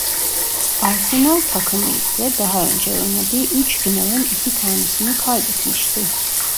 Arsenal takımı ise daha önce oynadığı üç finalin iki tanesini kaybetmişti.